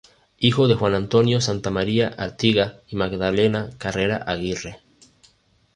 Hijo de Juan Antonio Santa María Artigas y Magdalena Carrera Aguirre.